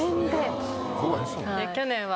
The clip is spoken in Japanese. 去年は。